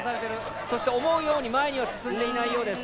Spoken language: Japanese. そして思うように前には進んでいないようです。